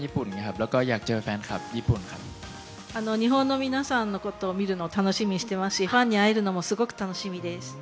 日本の皆さんのことを見るのを楽しみにしていますしファンに会えるのもすごく楽しみです。